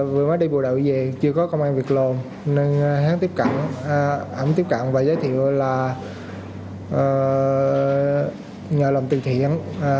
vừa mới đi bùa đậu về chưa có công an việc lồn nên hắn tiếp cận và giới thiệu là nhờ lòng từ thiện